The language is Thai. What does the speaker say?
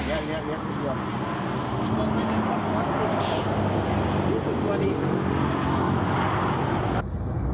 โอ้โฮ